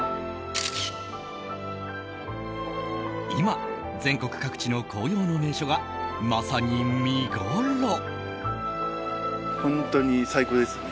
今、全国各地の紅葉の名所がまさに見ごろ！